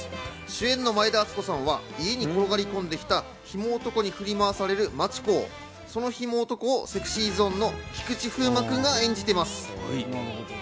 主演の前田敦子さんは家に転がり込んできたヒモ男に振り回される真知子を、そのヒモ男をＳｅｘｙＺｏｎｅの菊池風磨君が演じています。